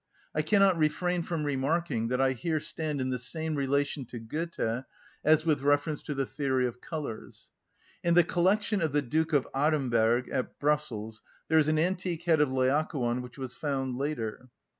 I cannot refrain from remarking that I here stand in the same relation to Goethe as with reference to the theory of colours. In the collection of the Duke of Aremberg at Brussels there is an antique head of Laocoon which was found later.